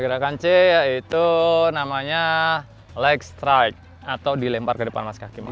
gerakan c yaitu namanya like strike atau dilempar ke depan mas kaki